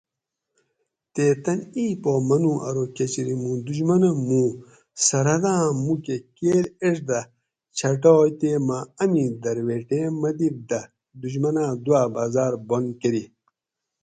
تے تن اِیں پا منو ارو کچری موں دشمنہ موں سرحداں موکہ کیل ایڄ دہ چھٹائے تے مہ امی درویٹیں مدِد دہ دُشمناں دوآ بازار بند کۤری